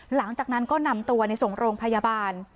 หลังจากนั้นก็นำตัวในส่งโรงพยาบาล